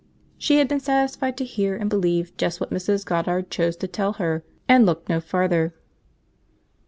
She had been satisfied to hear and believe just what Mrs. Goddard chose to tell her; and looked no farther.